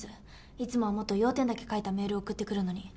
いつもはもっと要点だけ書いたメールを送ってくるのに。